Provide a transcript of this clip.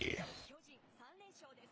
巨人、３連勝です。